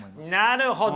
なるほど！